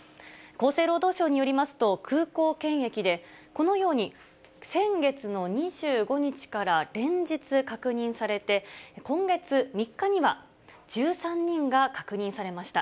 厚生労働省によりますと、空港検疫でこのように先月の２５日から連日確認されて、今月３日には１３人が確認されました。